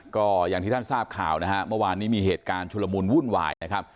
ก็อย่างที่ท่านทราบข่าวนะฮะเมื่อวานนี้มีเหตุการณ์ชุลมูลวุ่นวายนะครับ